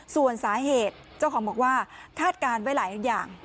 ส่วนสาเหตุเจ้าของบอกว่าคาดการณ์ไว้หลายอย่าง